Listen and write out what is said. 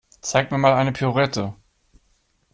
Zeig mir mal eine Pirouette.